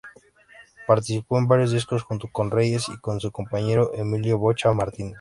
Participó en varios discos junto con Reyes y con su compañero Emilio "Bocha" Martínez.